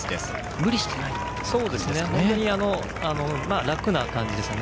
無理してないという感じですかね。